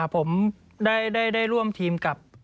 ผมได้ร่วมทีมกับ